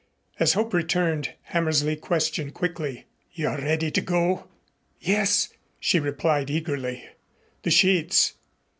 As hope returned, Hammersley questioned quickly: "You are ready to go?" "Yes," she replied eagerly. "The sheets?"